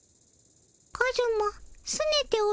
カズマすねておるのかの？